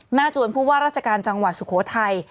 จวนผู้ว่าราชการจังหวัดสุโขทัย